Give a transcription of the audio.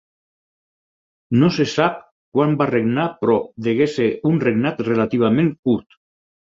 No se sap quan va regnar però degué ser un regnat relativament curt.